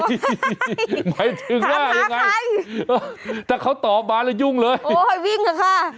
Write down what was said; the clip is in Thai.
หมายถึงว่ายังไงถ้าเขาตอบมาแล้วยุ่งเลยโอ้ยวิ่งเถอะค่ะ